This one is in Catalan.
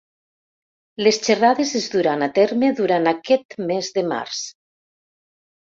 Les xerrades es duran a terme durant aquest mes de març.